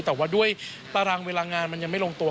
แต่ว่าด้วยตารางเวลางานมันยังไม่ลงตัว